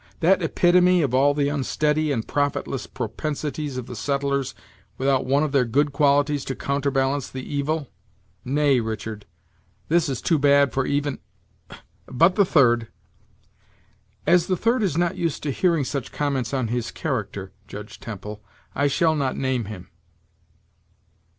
that epitome of all the unsteady and profitless propensities of the settlers without one of their good qualities to counterbalance the evil! Nay, Richard, this is too bad for even but the third." "As the third is not used to hearing such comments on his character, Judge Temple, I shall not name him."